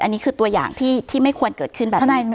อันนี้คือตัวอย่างที่ไม่ควรเกิดขึ้นแบบนี้